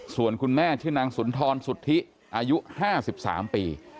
ส่วนคุณแม่ชื่อนางสุนทรสุทธิอายุ๕๓ปี